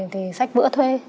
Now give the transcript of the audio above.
thì xách bữa thuê